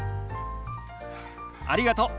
ありがとう。